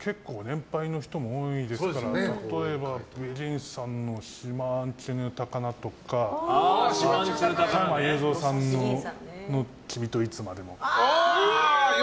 結構、年配の人も多いですから例えばＢＥＧＩＮさんの「島人ぬ宝」とか加山雄三さんの「君といつまでも」。